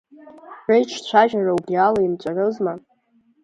Реиҿцәажәара убри ала инҵәарызма?